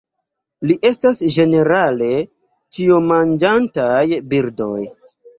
Ili estas ĝenerale ĉiomanĝantaj birdoj.